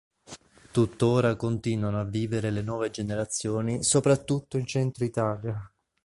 Tuttora continuano a vivere le nuove generazioni soprattutto in centro Italia.